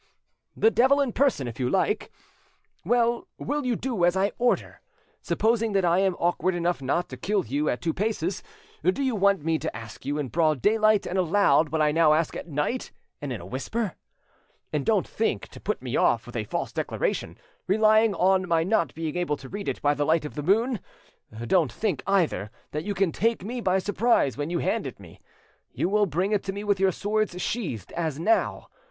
"The devil in person, if you like. Well, will you do as I order? Supposing that I am awkward enough not to kill you at two paces, do you want me to ask you in broad daylight and aloud what I now ask at night and in a whisper? And don't think to put me off with a false declaration, relying on my not being able to read it by the light of the moon; don't think either that you can take me by surprise when you hand it me: you will bring it to me with your swords sheathed as now.